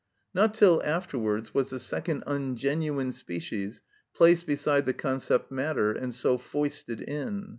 Not till afterwards was the second ungenuine species placed beside the concept matter, and so foisted in.